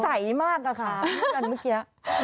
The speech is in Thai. ใสมากอะค่ะอันเมื่อกี้